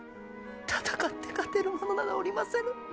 戦って勝てる者などおりませぬ！